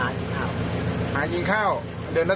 จะกลับบ้าน